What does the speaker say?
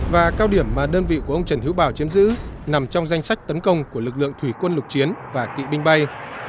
và cao điểm mà đơn vị của ông trần hữu bảo chiếm giữ nằm trong danh sách tấn công của lực lượng thủy quân lục chiến và kỵ binh bay